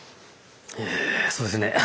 えそうですね